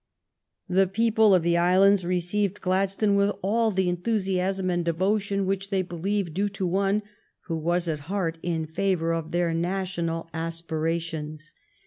The people 208 THE STORY OF GLADSTONE'S LIFE of the islands received Gladstone with all the enthusiasm and devotion which they believed due to one who was at heart in favor of their national aspirations.